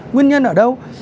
nguyên nhân ở đâu